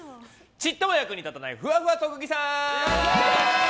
ちっとも役に立たないふわふわ特技さん！